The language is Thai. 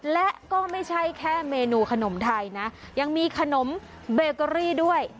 และก็ไม่ใช่แค่เมนูขนมไทยนะยังมีขนมเบเกอรี่ด้วย